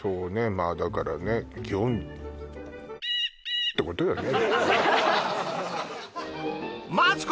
まあだからね基本○○○ってことよね